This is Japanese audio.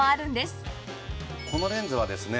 このレンズはですね